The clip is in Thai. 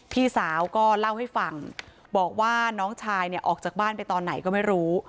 พี่สาวก็เล่าให้ฟังบอกว่าน้องชายเนี่ยออกจากบ้านไปตอนไหนก็ไม่รู้